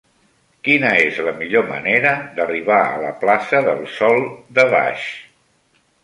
Quina és la millor manera d'arribar a la plaça del Sòl de Baix?